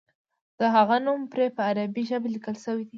د هغه نوم پرې په عربي ژبه لیکل شوی دی.